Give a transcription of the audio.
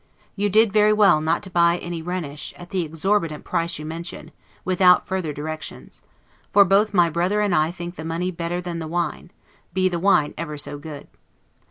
You did very well not to buy any Rhenish, at the exorbitant price you mention, without further directions; for both my brother and I think the money better than the wine, be the wine ever so good.